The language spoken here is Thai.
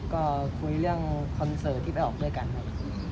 ก็คุยเรื่องคอนเสิร์ตที่ไปออกด้วยกันครับ